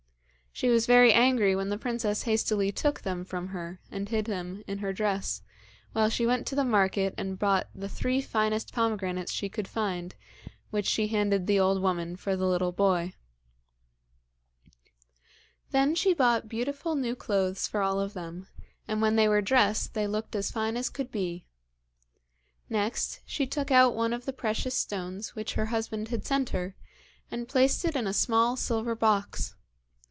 She was very angry when the princess hastily took them from her and hid them in her dress, while she went to the market and bought the three finest pomegranates she could find, which she handed the old woman for the little boy. Then she bought beautiful new clothes for all of them, and when they were dressed they looked as fine as could be. Next, she took out one of the precious stones which her husband had sent her, and placed it in a small silver box.